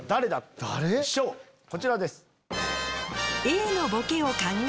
こちらです。